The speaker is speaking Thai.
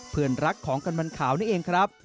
เพื่อนรักของกันวันขาวนี่เองครับ